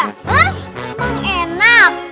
hah emang enak